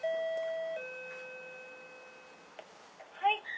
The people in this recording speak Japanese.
はい。